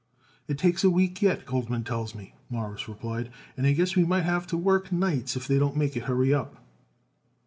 "It takes a week yet, Goldman tells me," Morris replied, "and I guess we might have to work nights if they don't make it a hurry up."